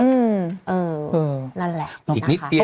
อืมเออนั่นแหละอีกนิดเดียว